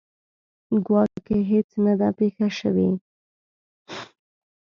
ګواکې هیڅ نه ده پېښه شوې.